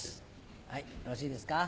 はいよろしいですか？